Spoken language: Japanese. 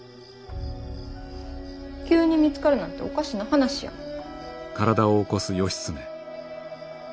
急に見つかるなんておかしな話やもん。